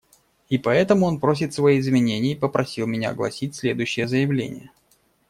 И поэтому он приносит свои извинения и попросил меня огласить следующее заявление.